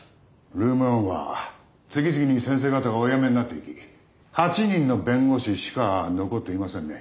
ルーム１は次々に先生方がお辞めになっていき８人の弁護士しか残っていませんね。